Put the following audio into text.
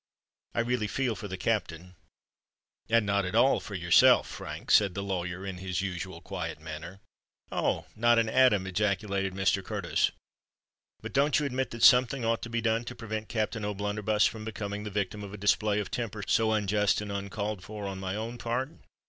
I really feel for the Captain——" "And not at all for yourself, Frank?" said the lawyer, in his usual quiet manner. "Oh! not an atom!" ejaculated Mr. Curtis. "But don't you admit that something ought to be done to prevent Captain O'Blunderbuss from becoming the victim of a display of temper so unjust and uncalled for on my part?